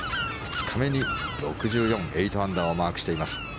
２日目に６４８アンダーをマークしています。